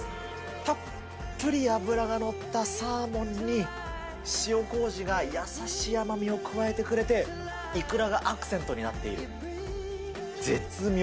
たっぷり脂が乗ったサーモンに、塩こうじが優しい甘みを加えてくれて、イクラがアクセントなっている、絶妙！